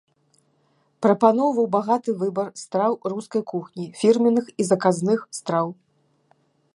Прапаноўваў багаты выбар страў рускай кухні, фірменных і заказных страў.